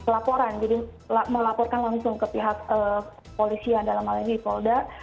laporan jadi melaporkan langsung ke pihak polisi yang dalam alami polda